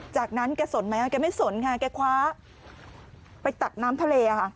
จากนั้นแกสนไหมแกไม่สนค่ะแกคว้าไปตักน้ำทะเลค่ะ